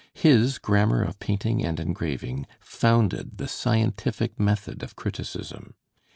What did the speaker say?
His 'Grammar of Painting and Engraving' founded the scientific method of criticism.